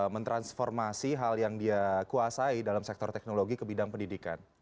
mentransformasi hal yang dia kuasai dalam sektor teknologi ke bidang pendidikan